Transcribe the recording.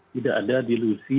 tidak ada dilusi